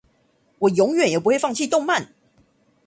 我永遠也不會放棄動漫